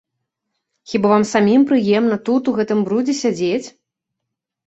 Хіба вам самім прыемна тут у гэтым брудзе сядзець?